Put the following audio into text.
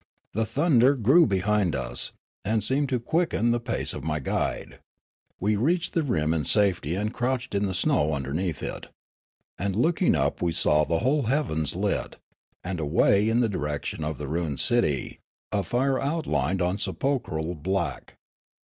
The thunder grew behind us, and seemed to quicken the pace of my guide. We reached the rim in safety and crouched in the snow underneath it. And looking up we saw the whole heavens lit, and away in the direction of the ruined city a fire outlined on sepulchral black.